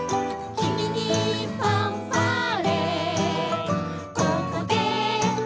「ここでファンファーレ」